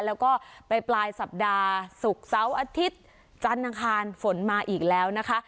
แล้วก็ไปปลายสัปดาห์ศุกร์เสาร์อาทิตย์จันทร์อังคารฝนมาอีกแล้วนะคะ